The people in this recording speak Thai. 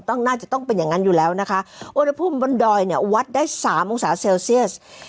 น่าจะต้องเป็นอย่างนั้นอยู่แล้วนะคะอุณหภูมิบนดอยเนี่ยวัดได้สามองศาเซลเซียส